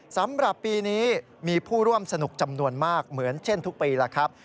สำหรับปีนี้มีผู้ร่วมสนุกจำนวนมากเหมือนเช่นทุกปีแล้วครับ